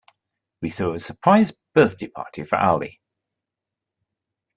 We threw a surprise birthday party for Ali.